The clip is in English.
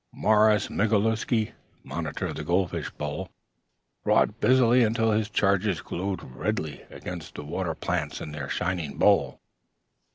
Morris Mogilewsky, Monitor of the Gold Fish Bowl, wrought busily until his charges glowed redly against the water plants in their shining bowl.